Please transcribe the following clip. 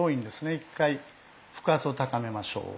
一回腹圧を高めましょう。